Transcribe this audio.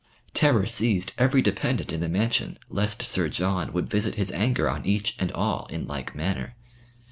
Terror seized every dependent in the mansion lest Sir John would visit his anger on each and all in like manner.